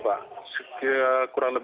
baik pak ketut